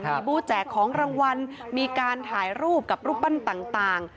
มีบูธแจกของรางวัลมีการถ่ายรูปกับรูปปั้นต่าง